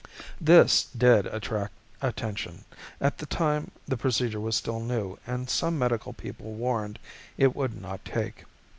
This did attract attention. At the time the procedure was still new and some medical people warned it would not take.